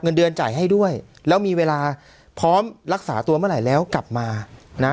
เงินเดือนจ่ายให้ด้วยแล้วมีเวลาพร้อมรักษาตัวเมื่อไหร่แล้วกลับมานะ